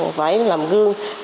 và một cái tấm gương sáng